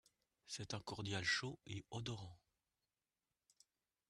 C'est un cordial chaud et odorant.